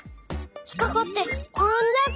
ひっかかってころんじゃうかも。